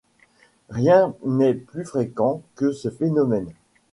Rien n’est plus fréquent que ce phénomène.